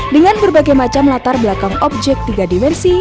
dengan berbagai macam latar belakang objek tiga dimensi